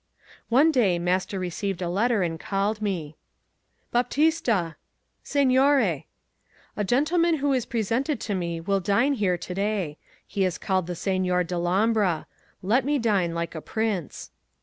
One day master received a letter, and called me. 'Baptista!' 'Signore!' 'A gentleman who is presented to me will dine here to day. He is called the Signor Dellombra. Let me dine like a prince.